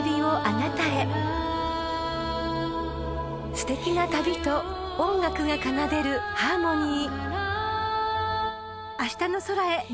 ［すてきな旅と音楽が奏でるハーモニー］